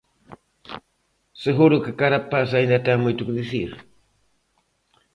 Seguro que Carapaz aínda ten moito que dicir.